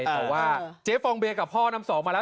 แต่ว่าเจ๊ฟองเบียกับพ่อน้ำสองมาแล้ว